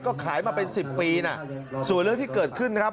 ก็ขายมาเป็นสิบปีนะส่วนเรื่องที่เกิดขึ้นนะครับ